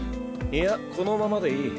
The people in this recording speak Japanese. いやこのままでいい。